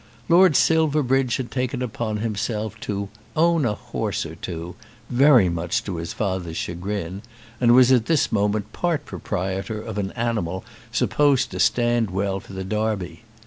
Lord Silverbridge had taken upon himself to "own a horse or two," very much to his father's chagrin, and was at this moment part proprietor of an animal supposed to stand well for the Derby.